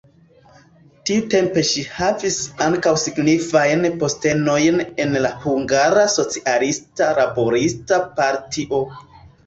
Tiutempe ŝi havis ankaŭ signifajn postenojn en la Hungara Socialista Laborista Partio.